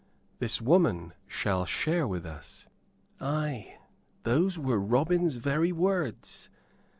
"'This woman shall share with us' ay, those were Robin's very words.